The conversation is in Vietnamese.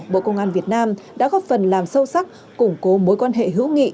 bộ công an việt nam đã góp phần làm sâu sắc củng cố mối quan hệ hữu nghị